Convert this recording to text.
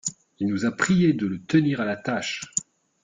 Il nous a priés de le tenir à l’attache.